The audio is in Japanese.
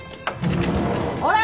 ほら！